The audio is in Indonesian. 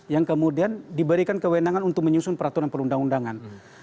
yang kemudian diberikan kewenangan untuk menyusun peraturan perundang undangan